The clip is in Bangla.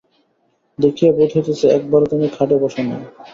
দেখিয়া বোধ হইতেছে, একবারও তুমি খাটে বস নাই।